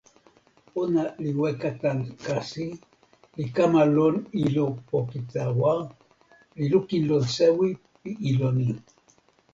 ona li weka tan kasi, li kama lon ilo poki tawa, li lukin lon sewi pi ilo ni.